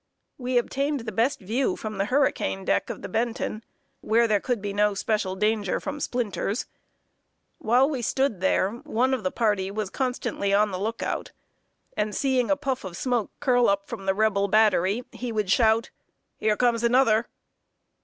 "] We obtained the best view from the hurricane deck of the Benton, where there could be no special danger from splinters. While we stood there, one of the party was constantly on the look out, and, seeing a puff of smoke curl up from the Rebel battery, he would shout: "Here comes another!"